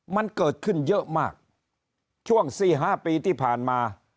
มันเกิดขึ้นเยอะมากช่วงสี่ห้าปีที่ผ่านมา